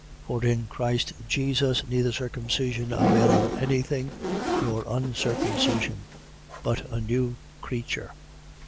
6:15. For in Christ Jesus neither circumcision availeth any thing, nor uncircumcision: but a new creature.